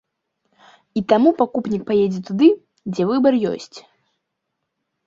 А таму пакупнік паедзе туды, дзе выбар ёсць.